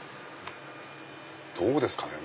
どうですかね？